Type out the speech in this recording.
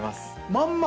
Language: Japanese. まんま？